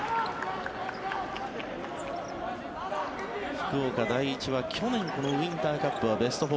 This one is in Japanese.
福岡第一は去年、このウインターカップはベスト４。